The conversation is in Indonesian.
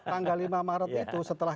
tanggal lima maret itu setelah